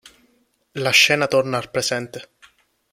La scena torna al presente.